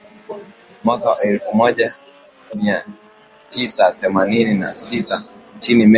Mwaka wa elfu moja mia tisa themanini na sita nchini Mexico